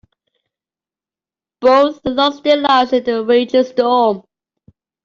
Both lost their lives in the raging storm.